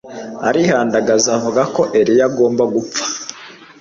arihandagaza avuga ko Eliya agomba gupfa